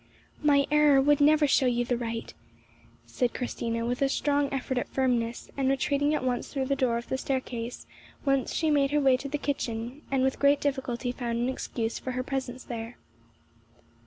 "My error would never show you the right," said Christina, with a strong effort at firmness, and retreating at once through the door of the staircase, whence she made her way to the kitchen, and with great difficulty found an excuse for her presence there.